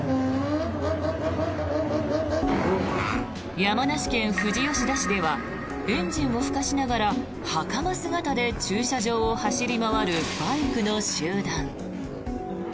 山梨県富士吉田市ではエンジンを吹かしながら袴姿で駐車場を走り回るバイクの集団。